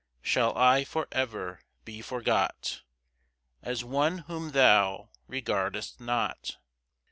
2 Shall I for ever be forgot As one whom thou regardest not?